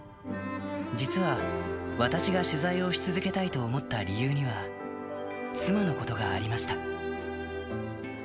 実は私が取材をし続けたいと思った理由には、妻のことがありました。